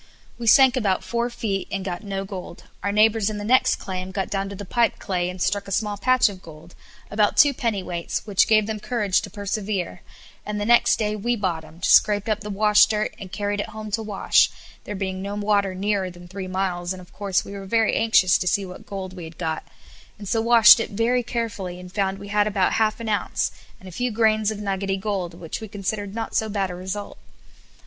We sank about four feet and got no gold; our neighbours in the next claim got down to the pipe clay, and struck a small patch of gold, about two pennyweights, which gave them courage to persevere, and the next day we bottomed, scraped up the wash dirt, and carried it home to wash, there being no water nearer than three miles, and of course we were very anxious to see what gold we had got, and so washed it very carefully, and found we had about half an onnce, and a few grains of nuggety gold; which we considered not so bad a result.